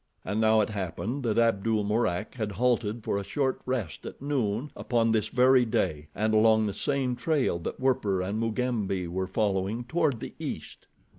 And now it happened that Abdul Mourak had halted for a short rest at noon upon this very day and along the same trail that Werper and Mugambi were following toward the east.